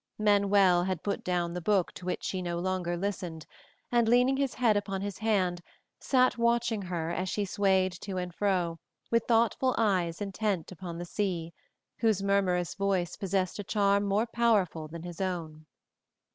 Manuel had put down the book to which she no longer listened and, leaning his head upon his hand, sat watching her as she swayed to and fro with thoughtful eyes intent upon the sea, whose murmurous voice possessed a charm more powerful than his own.